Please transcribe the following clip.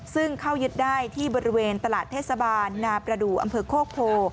ซึ่งเข้ายึดได้ที่บริเวณตลาดเทศบาลนาประดูกอำเภอโคกโพ